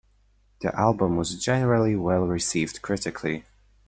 The album was generally well-received critically.